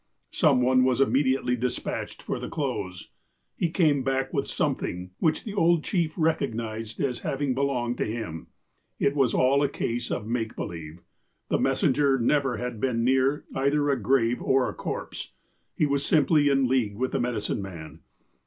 Some one was immediately desijatched for the clothes. He came back with something, which the old chief recognized as having belonged to him. It was all a case of make be lieve. The messenger never had been near either a grave or a corpse. He was simply in league with the medicine man.